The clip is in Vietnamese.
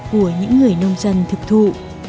của những người nông dân thực thụ